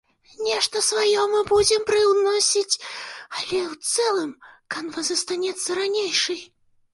Нешта сваё мы будзем прыўносіць, але ў цэлым канва застанецца ранейшай.